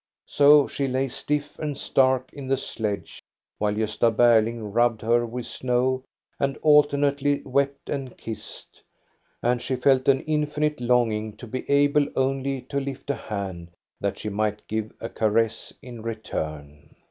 So she lay stiff and stark in the sledge, while Gosta Berling rubbed her with snow and alter nately wept and kissed, and she felt an infinite long ing to be able only to lift a hand, that she might give a caress in return.